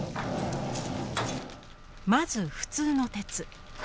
まず普通の鉄。